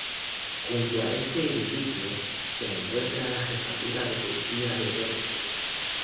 Junto a este edificio se encuentra la jefatura de policía de Dresde.